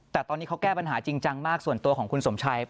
แต่ตอนนี้เขาแก้ปัญหาจริงจังมากส่วนตัวของคุณสมชัย